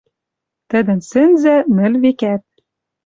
Тӹдӹн сӹнзӓ — нӹл векӓт.